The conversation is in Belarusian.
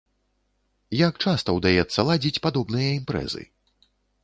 Як часта ўдаецца ладзіць падобныя імпрэзы?